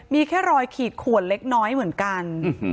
มีแค่รอยขีดขวนเล็กน้อยเหมือนกัน